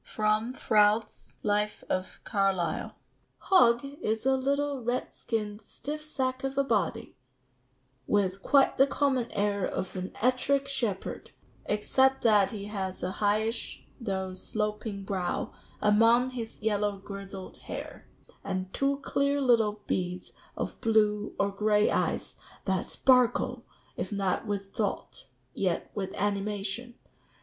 [Sidenote: Froude's Life of Carlyle.] "Hogg is a little red skinned stiff sack of a body, with quite the common air of an Ettrick shepherd, except that he has a highish though sloping brow (among his yellow grizzled hair), and two clear little beads of blue or gray eyes that sparkle, if not with thought, yet with animation.